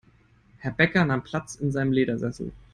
Herr Bäcker nahm Platz in seinem Ledersessel.